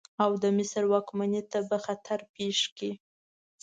او د مصر واکمنۍ ته به خطر پېښ کړي.